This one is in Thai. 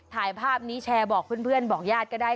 ถ่ายภาพนี้แชร์บอกเพื่อนบอกญาติก็ได้